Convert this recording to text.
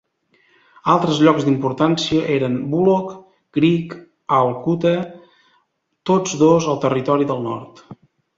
Altres llocs d'importància eren Bullock Creek i Alcoota, tots dos al Territori del Nord.